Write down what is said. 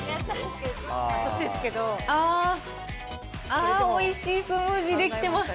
あー、おいしいスムージー出来ています。